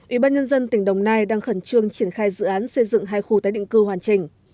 ủy ban nhân dân tỉnh đồng nai đang khẩn trương triển khai dự án xây dựng hai khu tái định cư hoàn chỉnh